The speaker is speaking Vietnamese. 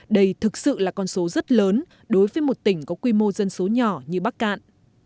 đây thực sự là con số rất lớn đối với một tỉnh có quy mô dân số nhỏ như bắc cạn